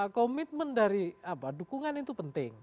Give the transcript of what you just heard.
komitmen dari dukungan itu penting